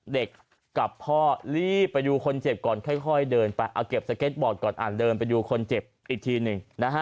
เด็กกับพ่อรีบไปดูคนเจ็บก่อนค่อยเดินไปเอาเก็บสเก็ตบอร์ดก่อนเดินไปดูคนเจ็บอีกทีหนึ่งนะฮะ